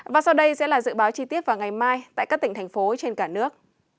và sau đây sẽ là dự báo chi tiết vào ngày mai tại các tỉnh thành phố trên cả nước